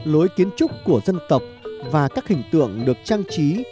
lối kiến trúc của dân tộc và các hình tượng được trang trí